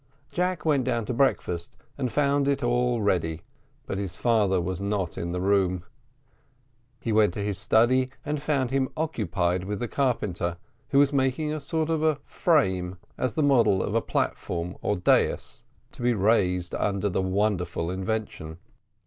Jack went down to breakfast, and found it all ready, but his father was not in the room: he went to his study, and found him occupied with a carpenter who was making a sort of a frame as the model of the platform or dais to be raised under the wonderful invention.